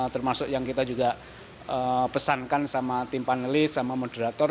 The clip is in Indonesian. termasuk yang kita juga pesankan sama tim panelis sama moderator